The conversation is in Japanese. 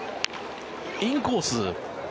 インコース。